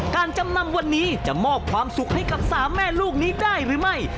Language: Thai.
จำนำวันนี้จะมอบความสุขให้กับ๓แม่ลูกนี้ได้หรือไม่